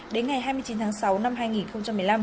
đến ngày hai mươi chín tháng sáu năm hai nghìn một mươi năm